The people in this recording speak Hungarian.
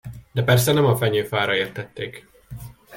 De persze nem a fenyőfára értették.